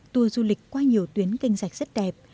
tour du lịch qua nhiều tuyến kênh sạch rất đẹp